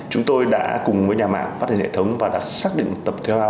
chúng tôi đã cùng với nhà mạng phát hình hệ thống và đã xác định tập theo